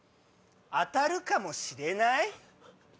当たるかもしれない？